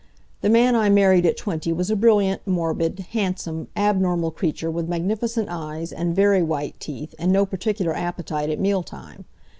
The man I married at twenty was a brilliant, morbid, handsome, abnormal creature with magnificent eyes and very white teeth and no particular appetite at mealtime.